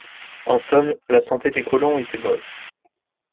En somme, la santé des colons était bonne.